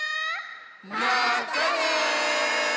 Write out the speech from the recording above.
まったね！